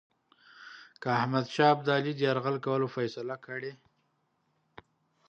که احمدشاه ابدالي د یرغل کولو فیصله کړې.